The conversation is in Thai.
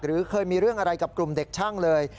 เคยมีเรื่องอะไรกับกลุ่มเด็กช่างเลย